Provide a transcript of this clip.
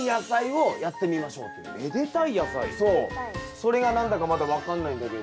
それが何だかまだ分かんないんだけど。